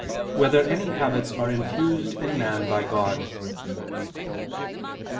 4] Whether Any Habits Are Infused in Man by God?